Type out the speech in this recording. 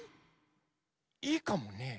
いいかもね。